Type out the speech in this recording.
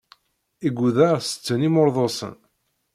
Igudar tetten imurḍusen.